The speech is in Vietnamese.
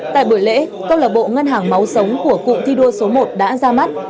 tại buổi lễ câu lạc bộ ngân hàng máu sống của cụm thi đua số một đã ra mắt